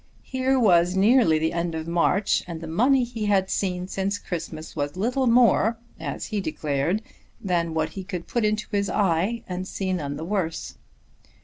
Here was nearly the end of March and the money he had seen since Christmas was little more, as he declared, than what he could put into his eye and see none the worse.